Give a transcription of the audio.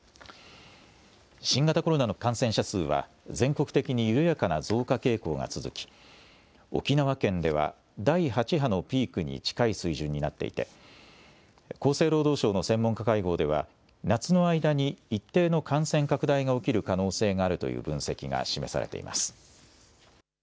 新型コロナの感染者数は、全国的に緩やかな増加傾向が続き、沖縄県では第８波のピークに近い水準になっていて、厚生労働省の専門家会合では、夏の間に一定の感染拡大が起きる可能性があるという分析が示されています。